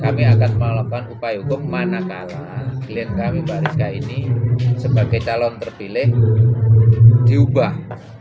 kami akan melakukan upaya hukum manakala klien kami mbak rizka ini sebagai calon terpilih diubah